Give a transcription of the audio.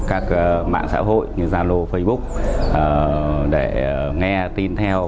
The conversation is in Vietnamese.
các mạng xã hội như zalo facebook để nghe tin theo